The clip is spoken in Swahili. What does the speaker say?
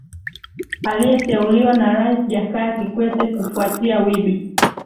aliyeteuliwa na rais jakaya kikwete kufwatia wibi